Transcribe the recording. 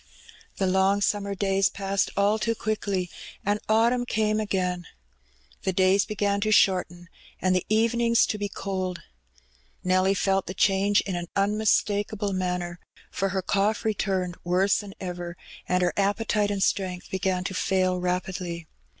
The long summer days passed all too quickly, and autumn came again. The days began to shorten, and the evenings to be cold. Nelly felt the change in an unmistakable manner, for her cough returned worse than ever, and her appetite and strength began to fail rapidly.